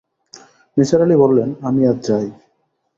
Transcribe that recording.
নিসার আলি বললেন, আমি আজ যাই।